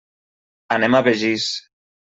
Anem a Begís.